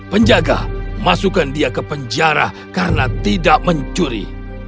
penjaga masukkan dia ke penjara karena tidak mencuri